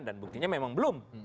dan buktinya memang belum